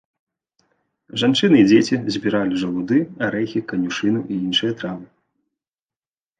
Жанчыны і дзеці збіралі жалуды, арэхі, канюшыну і іншыя травы.